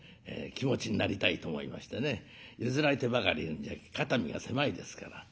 気持ちになりたいと思いましてね譲られてばかりいるんじゃ肩身が狭いですから。